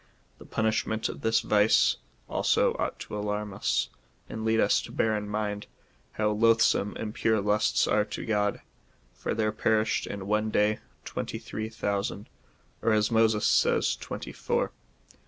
The punishment of this vice, also, ought to alarm us, and lead us to bear in mind, how loathsome impure lusts are to God, for there perished in one day twenty three thousand, or as Moses says, twenty four.